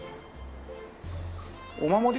お守り？